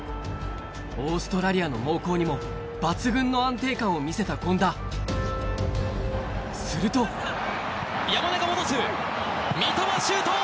オーストラリアの猛攻にも抜群の安定感を見せた権田すると山根が戻す三笘シュート！